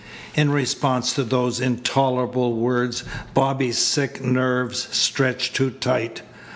In response to those intolerable words Bobby's sick nerves stretched too tight.